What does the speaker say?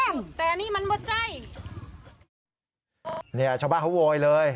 เนี่ยชาวบ้านเขาโวยเลย